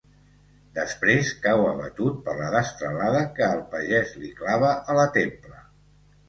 Després cau abatut per la destralada que el pagès li clava a la templa.